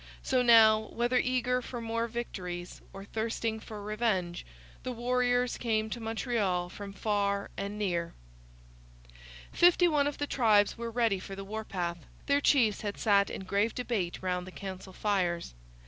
So now, whether eager for more victories or thirsting for revenge, the warriors came to Montreal from far and near. Fifty one of the tribes were ready for the warpath. Their chiefs had sat in grave debate round the council fires.